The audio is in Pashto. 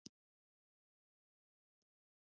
د کوپراتیف جوړول څه ګټه لري؟